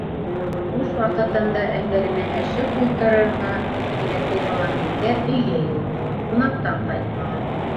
Буш ваҡытында әңгәмәләшеп ултырырға әхирәте Яланбикә өйҙә юҡ, ҡунаҡтан ҡайтмаған.